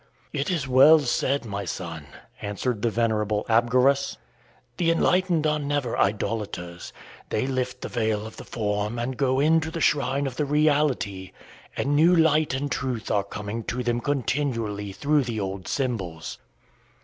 "It is well said, my son," answered the venerable Abgarus. "The enlightened are never idolaters. They lift the veil of the form and go in to the shrine of the reality, and new light and truth are coming to them continually through the old symbols."